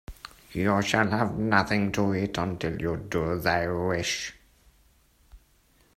You shall have nothing to eat until you do as I wish.